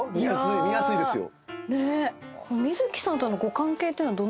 見やすいですよ。